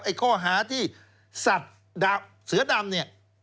ข้อหาที่สัตว์เสือดำเนี่ย